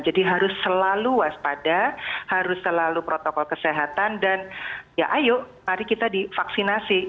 jadi harus selalu waspada harus selalu protokol kesehatan dan ya ayo mari kita divaksinasi